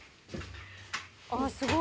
あっすごい。